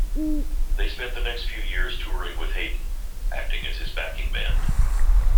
They spent the next few years touring with Hayden, acting as his backing band.